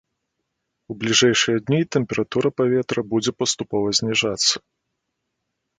У бліжэйшыя дні тэмпература паветра будзе паступова зніжацца.